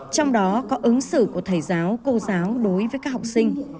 trong đó có ứng xử của thầy giáo cô giáo đối với các học sinh